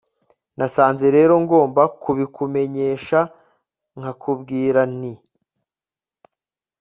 nasanze rero ngomba kubikumenyesha, nkakubwira nti